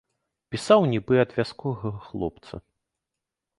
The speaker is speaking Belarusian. Пісаў нібы ад вясковага хлопца.